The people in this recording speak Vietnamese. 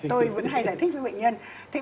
tôi vẫn hay giải thích với bệnh nhân